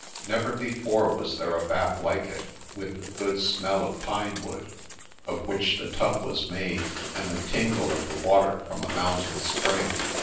Never before was there a bath like it, with the good smell of pine wood of which the tub was made, and the tingle of the water from a mountain spring.